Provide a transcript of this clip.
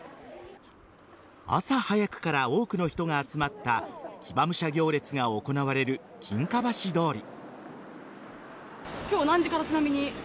朝早くから多くの人が集まった騎馬武者行列が行われる金華橋通り。